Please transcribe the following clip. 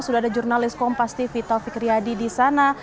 sudah ada jurnalis kompas tv taufik riyadi di sana